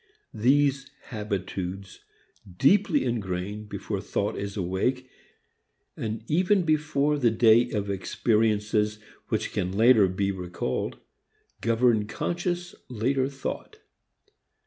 These habitudes, deeply engrained before thought is awake and even before the day of experiences which can later be recalled, govern conscious later thought.